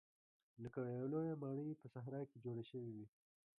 لکه یوه لویه ماڼۍ په صحرا کې جوړه شوې وي.